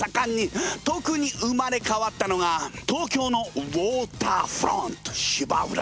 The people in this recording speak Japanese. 特に生まれ変わったのが東京のウォーターフロント芝浦！